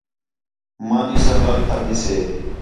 مانی ساں دال کھادی سے